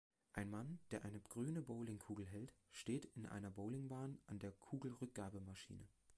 Ein Mann, der eine grüne Bowlingkugel hält, steht in einer Bowlingbahn an der Kugelrückgabemaschine.